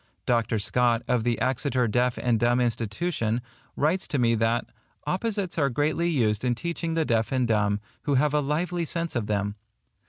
Dr. Scott, of the Exeter Deaf and Dumb Institution, writes to me that "opposites are greatly used in teaching the deaf and dumb, who have a lively sense of them."